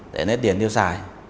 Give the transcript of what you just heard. để nét điền điêu xài